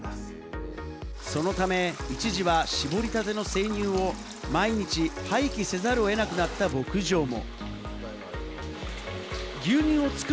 そのため一時は搾りたての生乳を毎日、廃棄せざるを得なくなった牧場も。